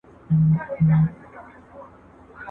زما او ستا دي له دې وروسته شراکت وي.